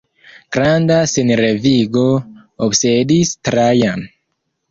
Granda senrevigo obsedis Trajan.